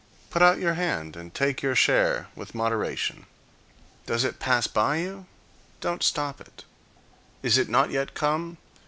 Put out your hand and take your share with moderation. Does it pass by you? Don't stop it. Is it not yet come?